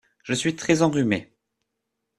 Je suis très enrhumée.